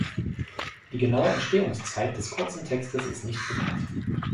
Die genaue Entstehungszeit des kurzen Textes ist nicht bekannt.